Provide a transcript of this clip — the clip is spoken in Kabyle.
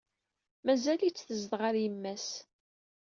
Mazal-itt tezdeɣ ɣer yemma-s.